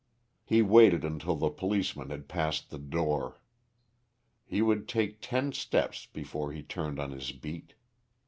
He waited until the policeman had passed the door. He would take ten steps before he turned on his beat.